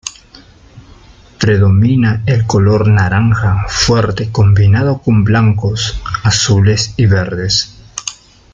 Predomina el color naranja fuerte combinado con blancos, azules y verdes.